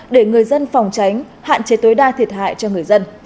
để người dân phòng tránh hạn chế tối đa thiệt hại cho người dân